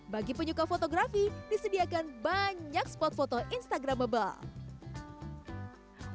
bagi penyuka fotografi disediakan banyak spot foto instagramable